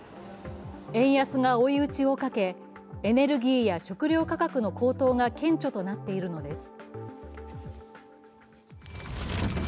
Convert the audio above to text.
円安が追い打ちをかけ、エネルギーや食料価格の高騰が顕著となっているのです。